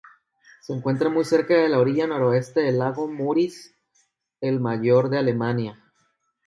Se encuentra cerca de la orilla noroeste del lago Müritz, el mayor de Alemania.